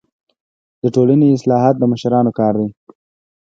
د ټولني اصلاحات د مشرانو کار دی.